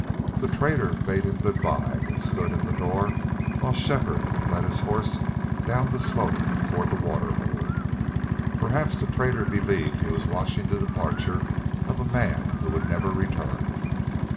The trader bade him good by and stood in the door while Shefford led his horse down the slope toward the water hole. Perhaps the trader believed he was watching the departure of a man who would never return.